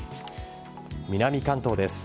南関東です。